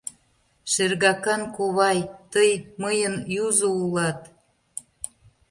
Шергакан ковай, тый мыйын юзо улат!